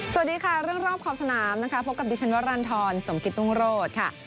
สวัสดีค่ะเรื่องรอบขอบสนามนะคะพบกับดิฉันวรรณฑรสมกิตรุงโรธค่ะ